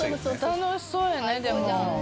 楽しそうやねでも。